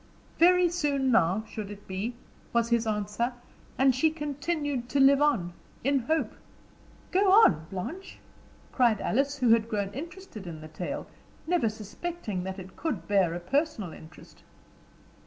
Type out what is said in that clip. Very soon now, should it be, was his answer, and she continued to live on in hope." "Go on, Blanche," cried Alice, who had grown interested in the tale, never suspecting that it could bear a personal interest.